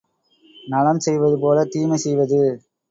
நலம் செய்வது போலத் தீமை செய்வது.